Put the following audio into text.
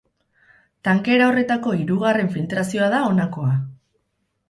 Tankera horretako hirugarren filtrazioa da honakoa.